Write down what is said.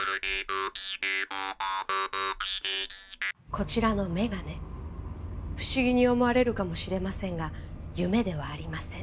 こちらの眼鏡不思議に思われるかもしれませんが夢ではありません。